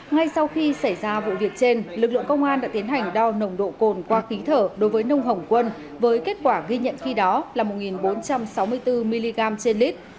ngay sau khi xảy ra vụ việc trên lực lượng công an đã tiến hành đo nồng độ cồn qua khí thở đối với nông hồng quân với kết quả ghi nhận khi đó là một bốn trăm sáu mươi bốn mg trên lít